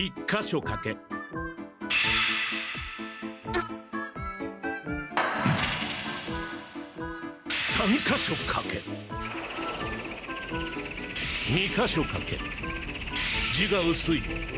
１か所かけ。